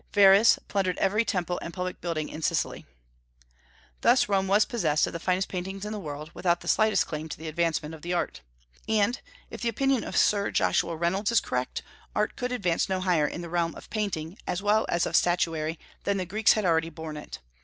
Verres plundered every temple and public building in Sicily. Thus Rome was possessed of the finest paintings in the world, without the slightest claim to the advancement of the art. And if the opinion of Sir Joshua Reynolds is correct, art could advance no higher in the realm of painting, as well as of statuary, than the Greeks had already borne it.